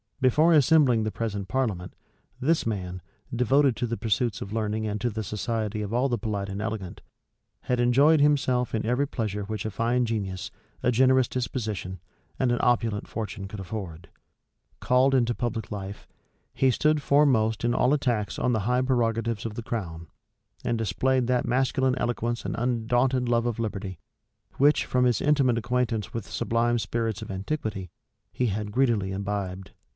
Before assembling the present parliament, this man, devoted to the pursuits of learning and to the society of all the polite and elegant, had enjoyed himself in every pleasure which a fine genius, a generous disposition, and an opulent fortune could afford. Called into public life, he stood foremost in all attacks on the high prerogatives of the crown; and displayed that masculine eloquence and undaunted love of liberty, which, from his intimate acquaintance with the sublime spirits of antiquity, he had greedily imbibed.